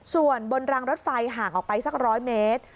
ส่วนบนรางรถไฟห่างออกไปสัก๑๐๐เมตร